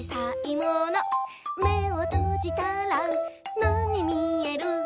「めをとじたらなにみえる？」